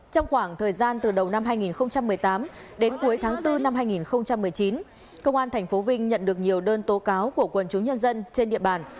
trong khoảng thời gian từ đầu năm hai nghìn một mươi tám đến cuối tháng bốn năm hai nghìn một mươi chín công an tp vinh nhận được nhiều đơn tố cáo của quần chúng nhân dân trên địa bàn